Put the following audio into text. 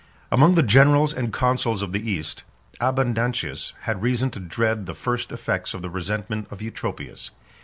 Among the generals and consuls of the East, Abundantius 12 had reason to dread the first effects of the resentment of Eutropius.